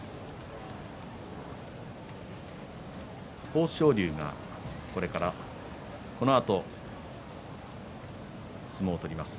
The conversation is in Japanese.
豊昇龍がこれからこのあと相撲を取ります。